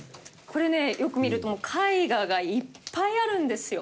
これねよく見ると絵画がいっぱいあるんですよ。